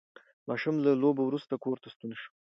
ماشوم له لوبو وروسته کور ته ستون شو